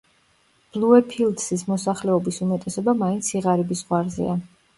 ბლუეფილდსის მოსახლეობის უმეტესობა მაინც სიღარიბის ზღვარზეა.